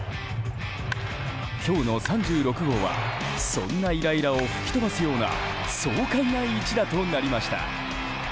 今日の３６号はそんなイライラを吹き飛ばすような爽快な一打となりました。